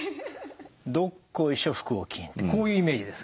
「どっこいしょ腹横筋」ってこういうイメージですか？